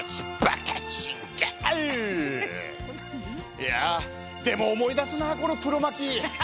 いやあでも思い出すなこのクロマキー。